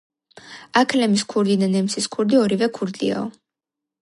აქლემის ქურდი და ნემსის ქურდი ორივე ქურდიაო.